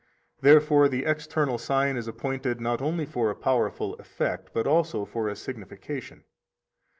72 Therefore the external sign is appointed not only for a powerful effect, but also for a signification.